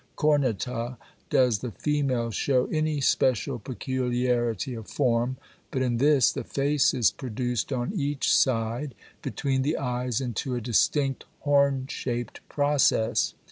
cornuta_, does the female show any special peculiarity of form, but in this the face is produced on each side between the eyes into a distinct horn shaped process.